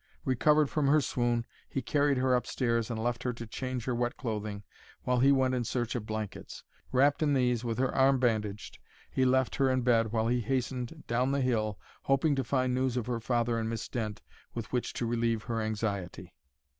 Recovered from her swoon, he carried her up stairs and left her to change her wet clothing while he went in search of blankets. Wrapped in these, with her arm bandaged, he left her in bed while he hastened down the hill, hoping to find news of her father and Miss Dent with which to relieve her anxiety.